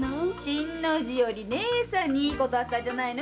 新の字より義姉さんにいいことあったんじゃないの？